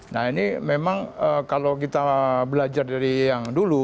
nah ini memang kalau kita belajar dari yang dulu